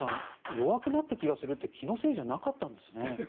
弱くなった気がするって気のせいじゃなかったんですね。